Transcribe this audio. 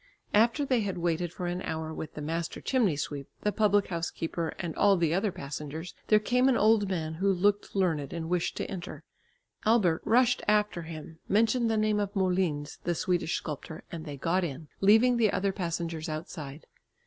After they had waited for an hour with the master chimney sweep, the public house keeper, and all the other passengers there came an old man who looked learned and wished to enter. Albert rushed after him, mentioned the name of Molins, the Swedish sculptor, and they got in, leaving the other passengers outside.